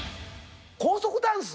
高速ダンス？